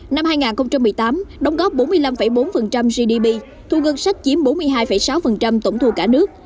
năm hai nghìn một mươi tám đóng góp bốn mươi năm bốn gdp thu ngân sách chiếm bốn mươi hai sáu tổng thu cả nước